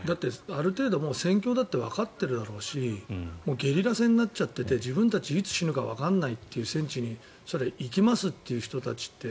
ある程度戦況だってわかっているだろうしもうゲリラ戦になっちゃっていて自分たちはいつ死ぬかわからないという戦地に行きますという人たちって